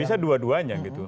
bisa dua duanya gitu